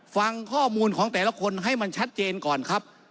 ฟังข้อมูลของแต่ละคนให้มันชัดเจนก่อนครับ